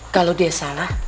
kalau dia salah